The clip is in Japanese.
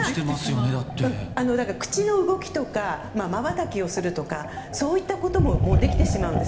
口の動きとかまばたきをするとかそういったことももうできてしまうんです。